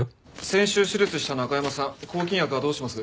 先週手術した中山さん抗菌薬はどうします？